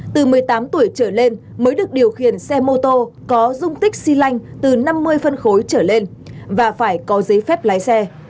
từ một mươi tám tuổi trở lên mới được điều khiển xe mô tô có dung tích xy lanh từ năm mươi phân khối trở lên và phải có giấy phép lái xe